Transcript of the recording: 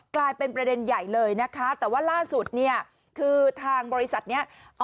กลายเป็นประเด็นใหญ่เลยนะคะแต่ว่าล่าสุดเนี่ยคือทางบริษัทนี้